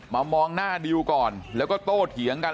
มองหน้าดิวก่อนแล้วก็โต้เถียงกัน